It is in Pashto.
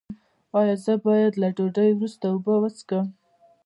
ایا زه باید له ډوډۍ وروسته اوبه وڅښم؟